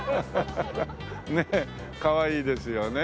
ねえかわいいですよね。